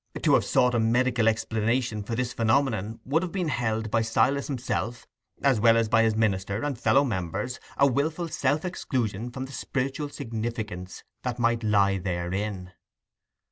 To have sought a medical explanation for this phenomenon would have been held by Silas himself, as well as by his minister and fellow members, a wilful self exclusion from the spiritual significance that might lie therein.